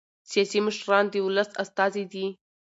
سیاسي مشران د ولس استازي دي